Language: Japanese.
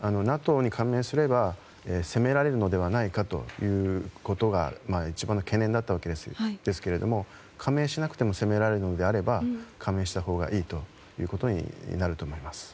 ＮＡＴＯに加盟すれば攻められるのではないかということが一番の懸念だったわけですけど加盟しなくても攻められるのであれば加盟したほうがいいということになると思います。